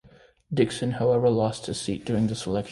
Dixon, however, lost his seat during this election.